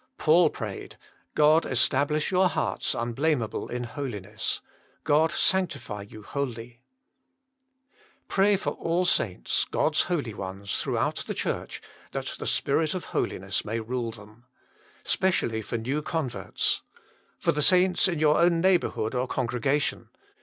Paul prayed: "God establish your hearts unblamable in holi ness." " God sanctify you wholly !" Pray for all saints God s holy ones throughout the Church, that the Spirit of holiness may rule them. Specially for new converts. For the saints in your own neighbourhood or congrega tion.